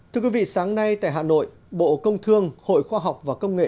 thưa quý vị sáng nay tại hà nội bộ công thương hội khoa học và công nghệ